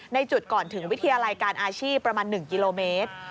ในจุดก่อนถึงวิทยาลัยการอาชีพประมาณ๑กิโลเมตร